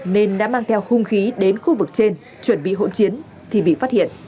nên đã mang theo hung khí đến khu vực trên chuẩn bị hỗn chiến thì bị phát hiện